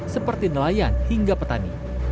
seperti nelayan hingga petani